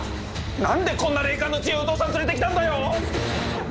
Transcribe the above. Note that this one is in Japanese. なんでこんな霊感の強いお父さん連れてきたんだよ！